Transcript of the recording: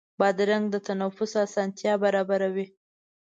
بادرنګ د تنفس اسانتیا برابروي.